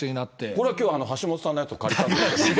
これはきょう、橋下さんのやつを借りたんですけど。